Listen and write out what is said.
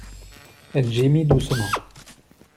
Elle gémit doucement.